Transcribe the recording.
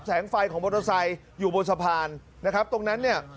แสงไฟของมอเตอร์ไซค์อยู่บนสะพานนะครับตรงนั้นเนี่ย